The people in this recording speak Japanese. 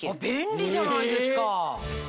便利じゃないですか！